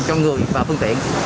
cho người và phương tiện